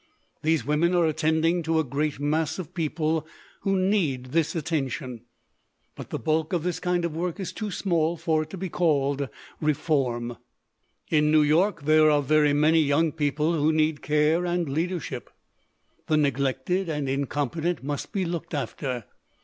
These women are attending to a great mass of people who need this attention. But the bulk of this kind of work is too small for it to be called reform. "In New York there are very many young people who need care and leadership. The neg lected and incompetent must be looked after.